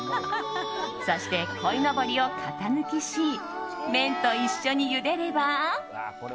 そしてこいのぼりを型抜きし麺と一緒にゆでれば。